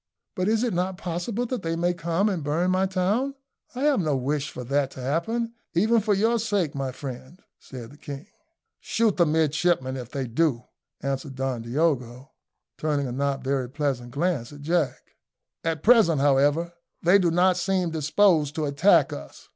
"But is it not possible that they may come and burn my town? I have no wish for that to happen, even for your sake, my friend," said the king. "Shoot the midshipman if they do," answered Don Diogo, turning a not very pleasant glance at Jack. "At present, however, they do not seem disposed to attack us.